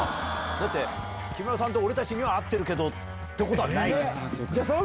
木村さんと俺たちには会ってるけどってことはない。